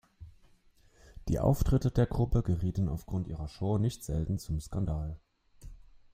Die Auftritte der Gruppe gerieten aufgrund ihrer Show nicht selten zum Skandal.